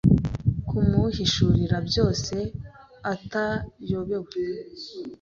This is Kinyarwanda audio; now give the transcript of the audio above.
Kumuhishurira byose atayobewe